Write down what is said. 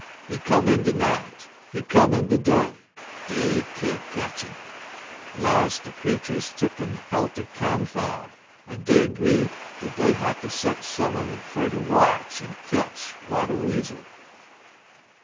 He come in de night, he come in de day; dey can't ketch 'im. Las' de creeturs tuck'n helt er confab, en dey 'gree dat dey hatter set some un fer ter watch en ketch Wattle Weasel.